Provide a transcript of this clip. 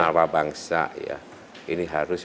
nawa bangsa ya ini harus